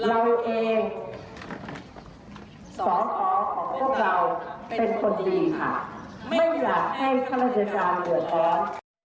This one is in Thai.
เราเองสอสอของพวกเราเป็นคนดีค่ะไม่อยากให้ข้าราชการเดือดร้อน